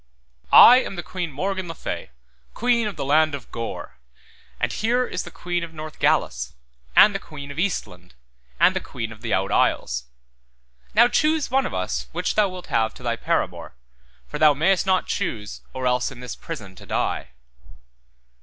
I am the Queen Morgan le Fay, queen of the land of Gore, and here is the queen of Northgalis, and the queen of Eastland, and the queen of the Out Isles; now choose one of us which thou wilt have to thy paramour, for thou mayest not choose or else in this prison to die.